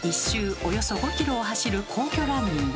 およそ５ｋｍを走る「皇居ランニング」。